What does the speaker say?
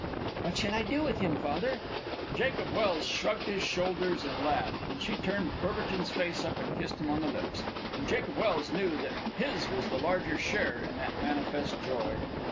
"What shall I do with him, father?" Jacob Welse shrugged his shoulders and laughed; and she turned Courbertin's face up and kissed him on the lips. And Jacob Welse knew that his was the larger share in that manifest joy.